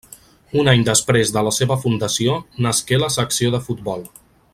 Un any després de la seva fundació nasqué la secció de futbol.